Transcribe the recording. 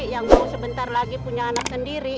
yang mau sebentar lagi punya anak sendiri